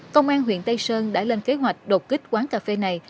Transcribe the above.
công an huyện tây sơn đã lên kế hoạch đột kích quán cà phê này